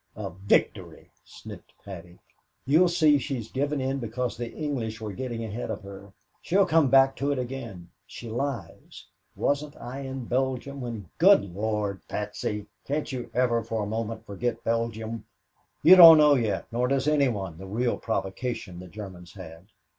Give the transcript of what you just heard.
"A victory!" sniffed Patsy; "you'll see she's given in because the English were getting ahead of her. She'll come back to it again. She lies. Wasn't I in Belgium when " "Good Lord, Patsy, can't you ever for a moment forget Belgium? You don't know yet, nor does any one, the real provocation the Germans had."